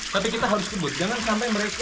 tapi kita harus sebut jangan sampai mereka